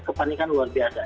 kepanikan luar biasa